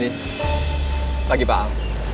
selamat pagi pak al